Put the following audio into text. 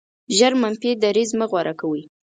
ژر منفي دریځ مه غوره کوئ.